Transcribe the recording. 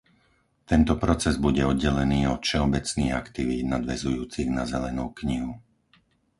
Tento proces bude oddelený od všeobecných aktivít nadväzujúcich na zelenú knihu.